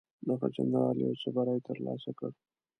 دغه جنرال یو څه بری ترلاسه کړ.